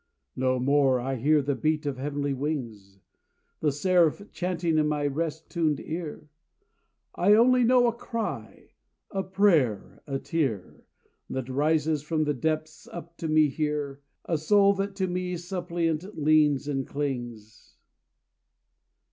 No more I hear the beat of heavenly wings, The seraph chanting in my rest tuned ear: I only know a cry, a prayer, a tear, That rises from the depths up to me here; A soul that to me suppliant leans and clings.